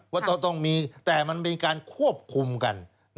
ว่าต้องมีแต่มันเป็นการควบคุมกัน